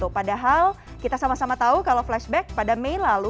padahal kita sama sama tahu kalau flashback pada mei lalu